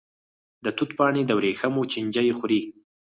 د توت پاڼې د وریښمو چینجی خوري.